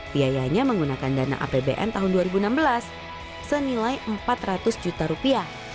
biayanya menggunakan dana apbn tahun dua ribu enam belas senilai empat ratus juta rupiah